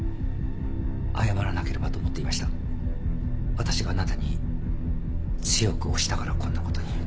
私があなたに強く推したからこんなことに。